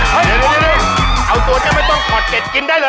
เต้นเลยเอาตัวเนี่ยไม่ต้องขอดเจ็ดกินได้เลย